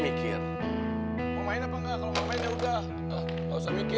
teng teng teng